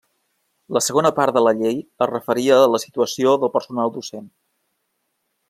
La segona part de la llei es referia a la situació del personal docent.